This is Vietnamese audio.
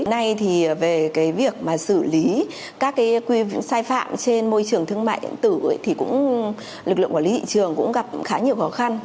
hôm nay thì về việc xử lý các quyền sai phạm trên môi trường thương mạnh tử thì lực lượng quản lý thị trường cũng gặp khá nhiều khó khăn